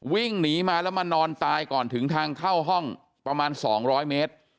วิ่งหนีมาแล้วมานอนตายก่อนถึงทางเข้าห้องประมาณ๒๐๐เมตร